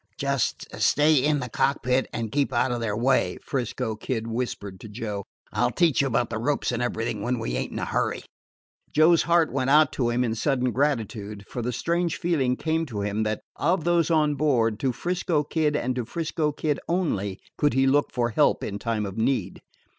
"Just stay in the cockpit and keep out of their way," 'Frisco Kid whispered to Joe. "I 'll teach you about the ropes and everything when we ain't in a hurry." Joe's heart went out to him in sudden gratitude, for the strange feeling came to him that of those on board, to 'Frisco Kid, and to 'Frisco Kid only, could he look for help in time of need.